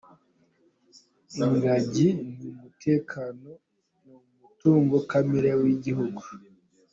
Ingagi ni umutungo kamere w'igihugu.